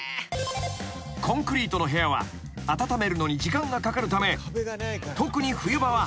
［コンクリートの部屋は暖めるのに時間がかかるため特に冬場は］